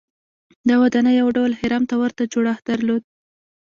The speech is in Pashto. دا ودانۍ یو ډول هرم ته ورته جوړښت درلود.